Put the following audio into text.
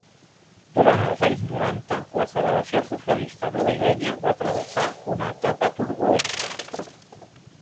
Durant els anys noranta, la Federació Socialista Madrilenya va travessar una etapa turbulenta.